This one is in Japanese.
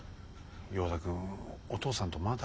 ヨーダ君お父さんとまだ。